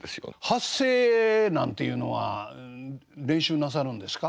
発声なんていうのは練習なさるんですか？